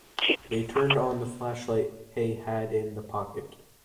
They turned on the flashlight hey had in the pocket.